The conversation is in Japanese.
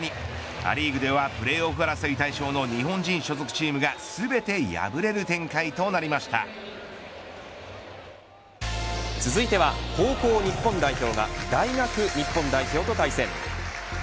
ア・リーグではプレーオフ争い対象の日本人所属チームが続いては、高校日本代表が大学日本代表と対戦。